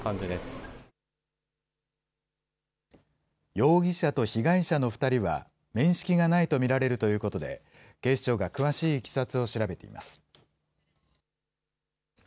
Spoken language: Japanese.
容疑者と被害者の２人は、面識がないと見られるということで、警視庁が詳しいいきさつを調べています。